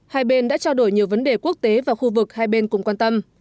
hai bên đã trao đổi nhiều vấn đề quốc tế và khu vực hai bên cùng quan tâm